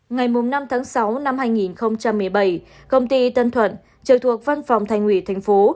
ngày năm tháng sáu năm hai nghìn một mươi bảy công ty tân thuận trực thuộc văn phòng thành ủy thành phố